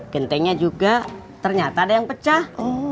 gentengnya juga ternyata ada yang pecah